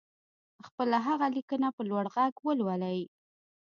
خپله هغه ليکنه په لوړ غږ ولولئ.